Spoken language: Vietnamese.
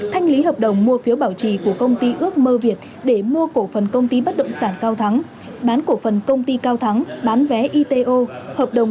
thanh lý hợp đồng mua phiếu bảo trì của công ty ước mơ việt để mua cổ phần công ty bất động sản cao thắng